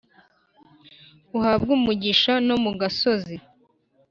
uhabwe umugisha no mu gasozi+